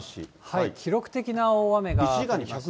記録的な大雨が。